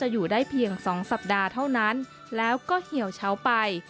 อยู่ได้เพียงสองสัปดาห์เท่านั้นแล้วก็เหี่ยวเฉาไป